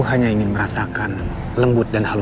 jangan menbebaskan apa apa aku